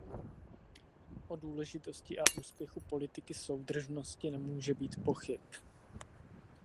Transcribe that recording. O důležitosti a úspěchu politiky soudržnosti nemůže být pochyb.